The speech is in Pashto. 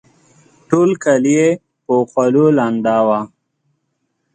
ټول کالي یې په خولو لانده وه